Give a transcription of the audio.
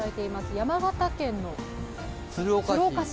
山形県鶴岡市。